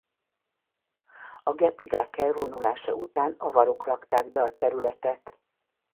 A gepidák elvonulása után avarok lakták be a területet.